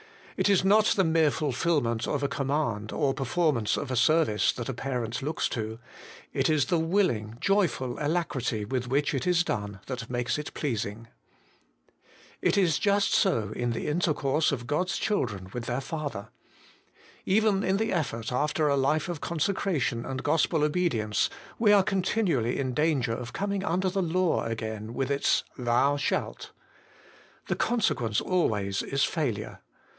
It is not the mere fulfilment of a com mand, or performance of a service, that a parent looks to; it is the willing, joyful alacrity with which it is done that makes it pleasing. It is just so in the intercourse of God's children with their Father. Even in the effort after a life of consecration and gospel obedience, we are continu ally in danger of coming under the law again, with its, Thou shalt. The consequence always is failure.